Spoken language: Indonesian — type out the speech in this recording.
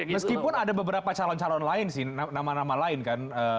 meskipun ada beberapa calon calon lain sih nama nama lain kan